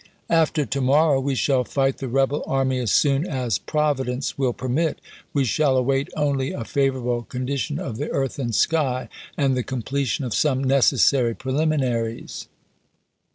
After to morrow we shall fight the rebel army as soon as Providence will permit. We shall await only a favor able condition of the earth and sky, and the completion of some necessary preHminaries.